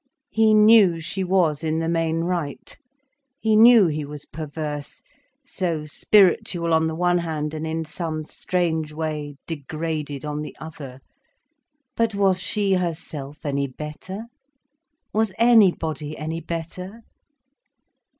He knew she was in the main right. He knew he was perverse, so spiritual on the one hand, and in some strange way, degraded, on the other. But was she herself any better? Was anybody any better?